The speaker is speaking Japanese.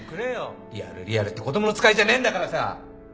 リアルリアルって子供の使いじゃねえんだからさ！